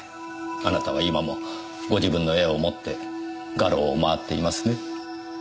あなたは今もご自分の絵を持って画廊を回っていますね。